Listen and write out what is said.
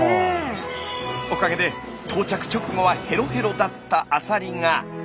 おかげで到着直後はヘロヘロだったアサリが。